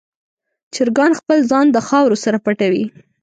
چرګان خپل ځان د خاورو سره پټوي.